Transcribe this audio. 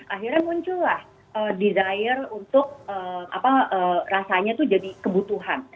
akhirnya muncullah desire untuk rasanya itu jadi kebutuhan